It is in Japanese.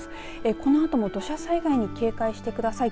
このあとも土砂災害に警戒してください。